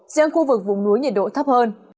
riêng khu vực vùng núi nhiệt độ thấp hơn